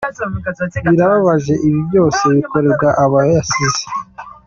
Birababaje ibibi byose bikorerwa abo yasize.